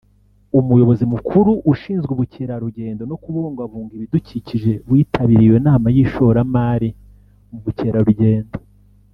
Umuyobozi Mukuru ushinzwe Ubukerarugendo no Kubungabunga Ibidukikije witabiriye iyo nama y’ishoramari mu bukerarugendo